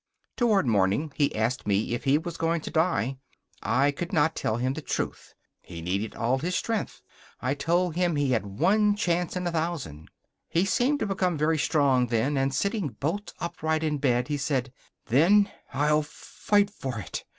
Toward morning he asked me if he was going to die. I could not tell him the truth. He needed all his strength. I told him he had one chance in a thousand. He seemed to become very strong then, and sitting bolt upright in bed, he said: "Then I'll fight for it!"